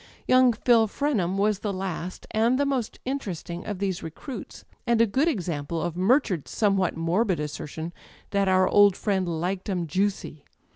Young Phil Frenham was the last, and the most interesting, of these recruits, and a good example of Murchard's somewhat morbid assertion that our^ld friend "liked 'em juicy."